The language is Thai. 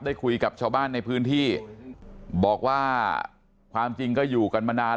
คุยกับชาวบ้านในพื้นที่บอกว่าความจริงก็อยู่กันมานาน